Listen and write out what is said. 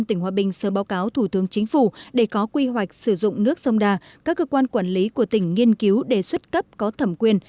yêu cầu công ty có quy hoạch sử dụng nước sông đà các cơ quan quản lý của tỉnh nghiên cứu đề xuất cấp có thẩm quyền